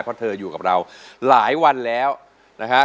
เพราะเธออยู่กับเราหลายวันแล้วนะฮะ